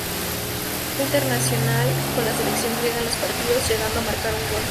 Fue internacional con la selección griega en dos partidos, llegando a marcar un gol.